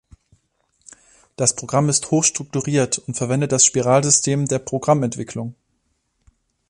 Das Programm ist hoch strukturiert und verwendet das Spiralsystem der Programmentwicklung.